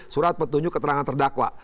surat petunjuk keterangan terdakwa